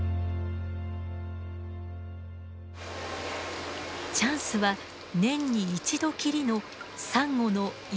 チャンスは年に一度きりのサンゴの一斉産卵の時。